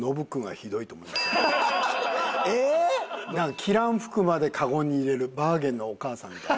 着らん服までカゴに入れるバーゲンのお母さんみたいな。